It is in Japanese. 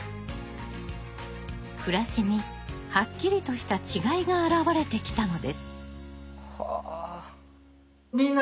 暮らしにはっきりとした違いが表れてきたのです。